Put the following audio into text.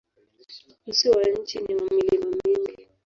Uso wa nchi ni wa milima mingi.